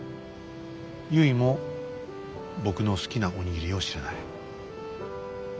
ゆいも僕の好きなお握りを知らない。